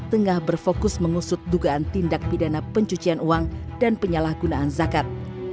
tengah berfokus mengusut dugaan tindak pidana pencucian uang dan penyalahgunaan zakat